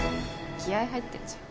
気合入ってんじゃん。